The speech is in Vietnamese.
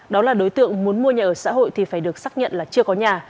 đó là đối tượng muốn mua nhà ở xã hội thì phải được xác nhận là chưa có nhà